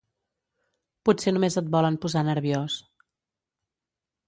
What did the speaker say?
Potser només et volen posar nerviós.